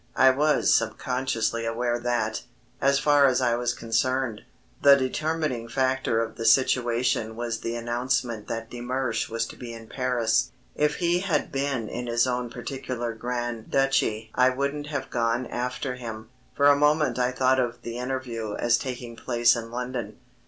I was subconsciously aware that, as far as I was concerned, the determining factor of the situation was the announcement that de Mersch was to be in Paris. If he had been in his own particular grand duchy I wouldn't have gone after him. For a moment I thought of the interview as taking place in London.